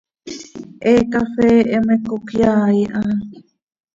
He cafee heme cocyaai ha.